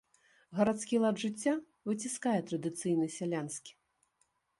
Гарадскі лад жыцця выціскае традыцыйны сялянскі.